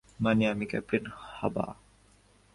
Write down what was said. মানে, আমিই ক্যাপ্টেন হবো।